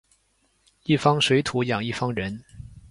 一方水土养一方人